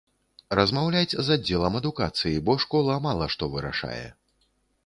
Размаўляць з аддзелам адукацыі, бо школа мала што вырашае.